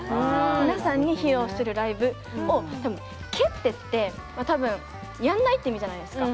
皆さんに披露するライブを多分「蹴って」ってまあ多分「やんない」って意味じゃないですか。